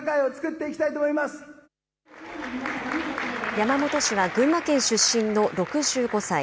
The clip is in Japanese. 山本氏は群馬県出身の６５歳。